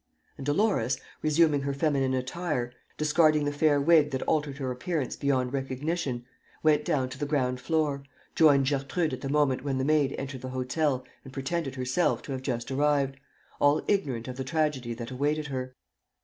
And Dolores, resuming her feminine attire, discarding the fair wig that altered her appearance beyond recognition, went down to the ground floor, joined Gertrude at the moment when the maid entered the hotel and pretended herself to have just arrived, all ignorant of the tragedy that awaited her.